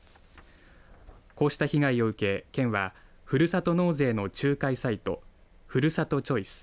こうした被害を受け県はふるさと納税の仲介サイトふるさとチョイス